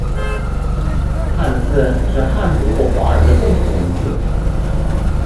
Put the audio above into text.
汉字是汉族或华人的共同文字